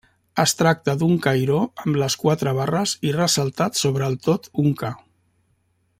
Es tracta un cairó amb les quatre barres i ressaltat sobre el tot un ca.